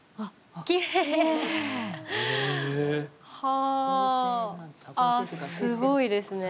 あ、すごいですね。